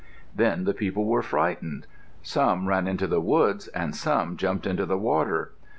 Then the people were frightened. Some ran into the woods and some jumped into the water.